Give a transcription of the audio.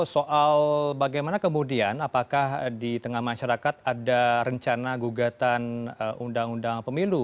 soal bagaimana kemudian apakah di tengah masyarakat ada rencana gugatan undang undang pemilu